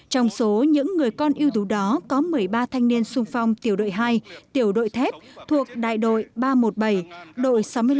trong số những người con yêu tú đó có một mươi ba thanh niên sung phong tiểu đội hai tiểu đội thép thuộc đại đội ba trăm một mươi bảy đội sáu mươi năm